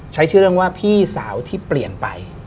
ใช้ชื่อเรื่องว่าพี่สาวที่เปลี่ยนไป